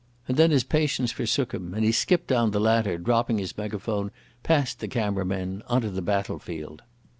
And then his patience forsook him and he skipped down the ladder, dropping his megaphone, past the camera men, on to the battlefield.